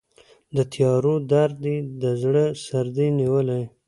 د تیارو درد یې د زړه سردې نیولی